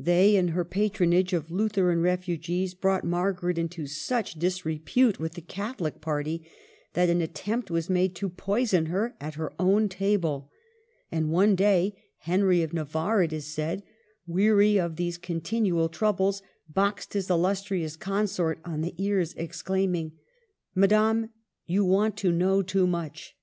They, and her patr(3nage of Lutheran refugees, brought Margaret into such disre pute with the Catholic party that an attempt was made to poison her at her own table ; and one day Henry of Navarre, it is said, weary of these continual troubles, boxed his illustrious consort on the ears, exclaiming, "Madame, you want to know too much!"